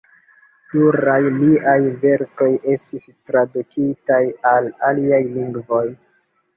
Pluraj liaj verkoj estis tradukitaj al aliaj lingvoj.